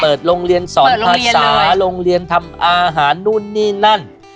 โรงเรียนสอนภาษาโรงเรียนทำอาหารนู่นนี่นั่น